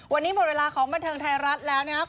วันนี้หมดเวลาของบันเทิงไทยรัฐแล้วนะครับ